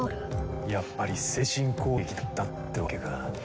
やっぱり精神攻撃だったってわけか。